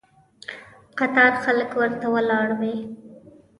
قطار خلک ورته ولاړ وي.